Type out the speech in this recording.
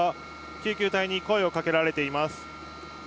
救急隊に声をかけられています。